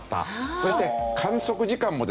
そして観測時間もですね